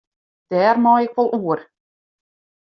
Dêr mei ik wol oer.